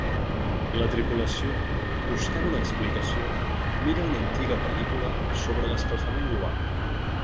La tripulació, buscant una explicació, mira una antiga pel·lícula sobre l'escalfament global.